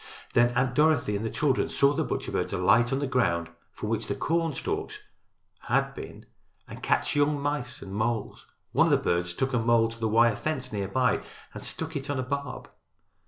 Then Aunt Dorothy and the children saw the butcher birds alight on the ground on which the cornstalks had been and catch young mice and moles. One of the birds took a mole to the wire fence near by and stuck it on a barb.